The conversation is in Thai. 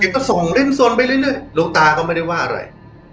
แกก็ส่องเล่นสนไปเรื่อยเรื่อยลูกตาก็ไม่ได้ว่าอะไร